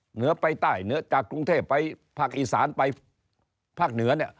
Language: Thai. เหนือไปใต้จากกรุงเทพไปภาคอีสานไปภาคเหนือ